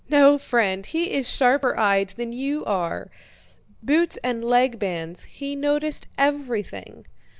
"No, friend, he is sharper eyed than you are. Boots and leg bands... he noticed everything..."